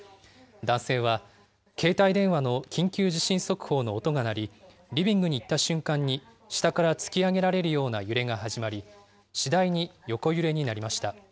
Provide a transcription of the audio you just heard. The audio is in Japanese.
男性は、携帯電話の緊急地震速報の音が鳴り、リビングに行った瞬間に下から突き上げられるような揺れが始まり、次第に横揺れになりました。